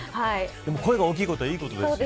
声が大きいことはいいことです。